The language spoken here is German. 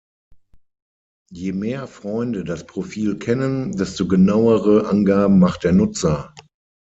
Je mehr Freunde das Profil kennen, desto genauere Angaben macht der Nutzer.